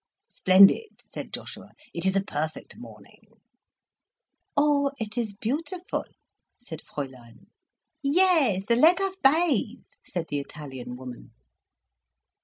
"Splendid," said Joshua. "It is a perfect morning." "Oh, it is beautiful," said Fräulein. "Yes, let us bathe," said the Italian woman.